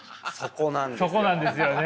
そこなんですよね。